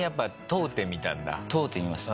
問うてみました。